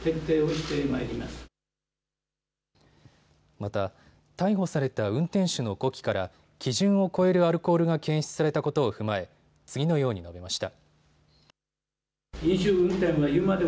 また逮捕された運転手の呼気から基準を超えるアルコールが検出されたことを踏まえ次のように述べました。